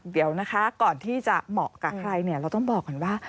เดี๋ยวนะคะก่อนที่จะเหมาะกับใครเนี่ยเราต้องบอกก่อนว่า